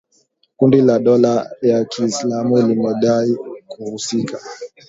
Kundi la dola ya Kiislamu limedai kuhusika